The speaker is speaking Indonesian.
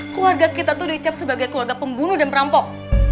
keluarga kita itu dicap sebagai keluarga pembunuh dan perampok